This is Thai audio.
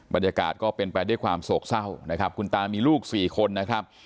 บรรยากาศก็เป็นไปด้วยความโศกเศร้านะครับคุณตามีลูกสี่คนนะครับ